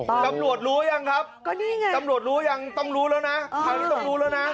ก็นี่ไงต้องรู้แล้วนะ